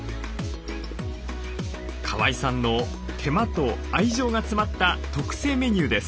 川井さんの手間と愛情が詰まった特製メニューです。